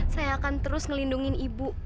saya akan terus ngelindungi ibu